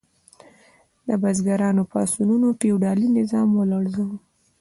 د بزګرانو پاڅونونو فیوډالي نظام ولړزاوه.